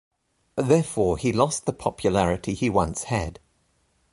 Therefore he lost the popularity he once had.